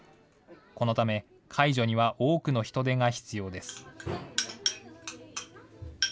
このため、介助には多くの人手が必要です。